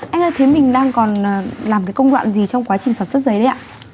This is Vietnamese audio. anh ơi thế mình đang còn làm công đoạn gì trong quá trình sản xuất dây đấy ạ